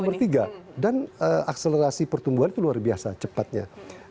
nomor tiga dan akselerasi pertumbuhan itu luar biasa cepatnya